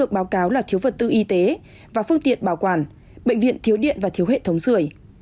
báo cáo là thiếu vật tư y tế và phương tiện bảo quản bệnh viện thiếu điện và thiếu hệ thống sửa